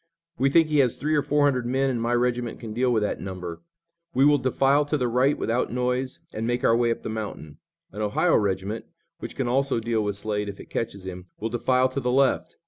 "We think he has three or four hundred men and my regiment can deal with that number. We will defile to the right without noise and make our way up the mountain. An Ohio regiment, which can also deal with Slade if it catches him, will defile to the left.